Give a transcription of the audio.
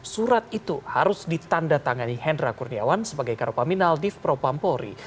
surat itu harus ditanda tangani hendra kurniawan sebagai karopaminal div propampori